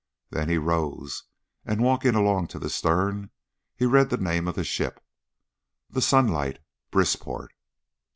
Then he rose, and walking along to the stern he read the name of the ship, The Sunlight, Brisport.